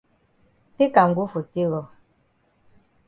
Take am go for tailor.